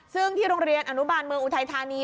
ซึ่งที่โรงเรียนอนุบาลเมืองอุทัยธานี